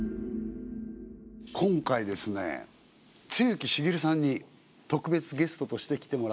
今回ですね露木茂さんに特別ゲストとして来てもらってます。